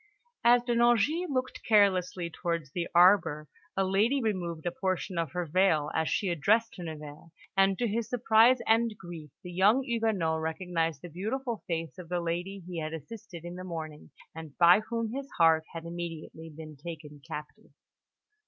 As De Nangis looked carelessly towards the arbour, the lady removed a portion of her veil as she addressed De Nevers; and to his surprise and grief, the young Huguenot recognised the beautiful face of the lady he had assisted in the morning, and by whom his heart had immediately been taken captive.